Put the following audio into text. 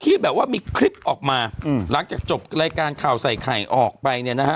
ที่แบบว่ามีคลิปออกมาอืมหลังจากจบรายการข่าวใส่ไข่ออกไปเนี่ยนะฮะ